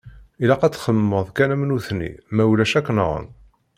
Ilaq ad txemmemeḍ kan am nutni ma ulac ad k-nɣen.